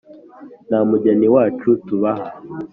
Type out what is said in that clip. ”nta mugeni wacu tubaha